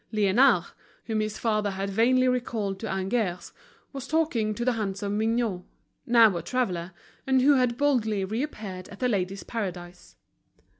Liénard, whom his father had vainly recalled to Angers, was talking to the handsome Mignot, now a traveler, and who had boldly reappeared at The Ladies' Paradise.